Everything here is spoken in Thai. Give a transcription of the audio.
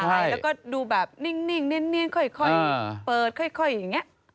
ใช่แล้วก็ดูแบบนิ่งนิ่งนิ่งนิ่งค่อยค่อยเปิดค่อยค่อยอย่างเงี้ย